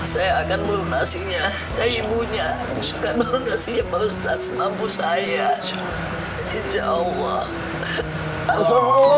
saya akan melunasinya saya ibunya juga melunasinya pak ustadz mampu saya insyaallah